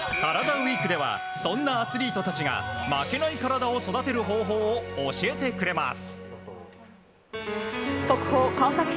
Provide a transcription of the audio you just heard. ＷＥＥＫではそんなアスリートたちが負けない体を育てる方法を教えてくれます。